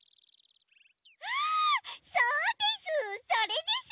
あそうです！